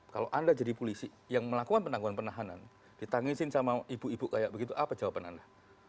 kalau anda jadi polisi yang melakukan penangguhan penahanan ditangisin sama ibu ibu kayak begitu apa jawaban anda